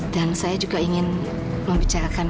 dan saya juga ingin membicarakan